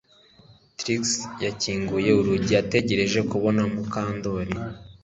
Trix yakinguye urugi ategereje kubona Mukandoli